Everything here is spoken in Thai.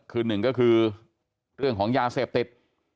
คือหนึ่งก็คือเรื่องของยาเสพติด